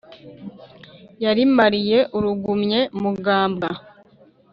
yayimariye urugumye mugambwa